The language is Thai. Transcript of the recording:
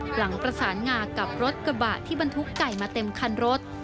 หลังประสานงากับรถกระบะที่บรรทุกไก่มาเต็มคันรถ